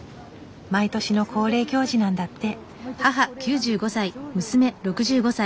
毎年の恒例行事なんだって。